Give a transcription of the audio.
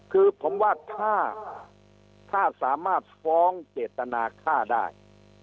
คือผมว่าถ้าสามารถฟ้องเจตนาฆ่าได้